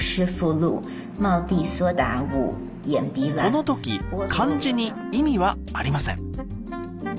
この時漢字に意味はありません。